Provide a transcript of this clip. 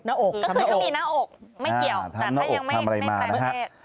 น้าอกทำน้าอกทำน้าอกไม่เกี่ยวแต่ถ้ายังไม่แปลงเพศ